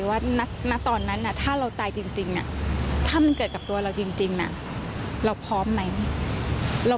ว่าตอนนั้นนี่ถ้าเราตายจริงน่ะ